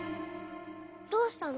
どうしたの？